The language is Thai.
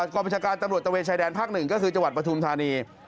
กรบัญชาการตำรวจตะเวชชายแดนภักดิ์๑ก็คือจังหวัดปทุมธานี